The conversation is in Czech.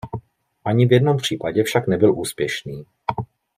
Ani v jednom případě však nebyl úspěšný.